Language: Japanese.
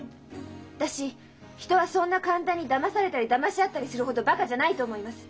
私人はそんな簡単にだまされたりだまし合ったりするほどバカじゃないと思います。